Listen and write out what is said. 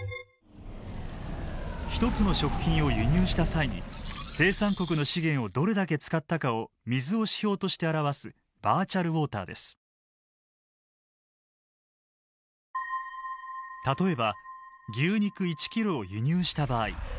一つの食品を輸入した際に生産国の資源をどれだけ使ったかを水を指標として表す例えば牛肉１ｋｇを輸入した場合。